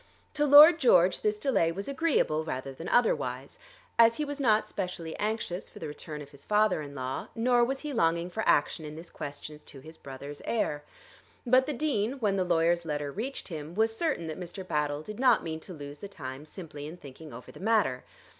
To Lord George this delay was agreeable rather than otherwise, as he was not specially anxious for the return of his father in law, nor was he longing for action in this question as to his brother's heir. But the Dean, when the lawyer's letter reached him, was certain that Mr. Battle did not mean to lose the time simply in thinking over the matter.